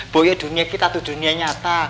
boyo dunia kita tuh dunia nyata